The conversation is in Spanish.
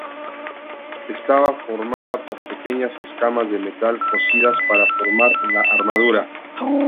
Estaba formada por pequeñas escamas de metal cosidas para formar la armadura.